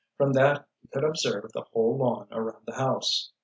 From that he could observe the whole lawn around the house.